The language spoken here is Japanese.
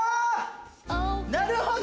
なるほど！